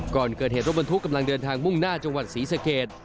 ก่อนเกิดเหตุรถบรรทุกกำลังเดินทางมุ่งหน้าจังหวัดศรีสเกต